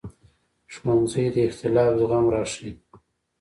ښوونځی د اختلاف زغم راښيي